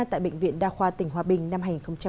tại bệnh viện đa khoa tỉnh hòa bình năm hai nghìn một mươi chín